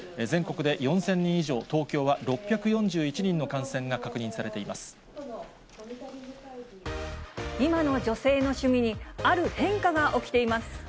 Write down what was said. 全国で４０００人以上、東京は６４１人の感染が確認されていま今の女性の趣味に、ある変化が起きています。